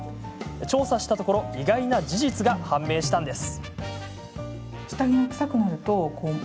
調査したところ意外な事実が判明したんです。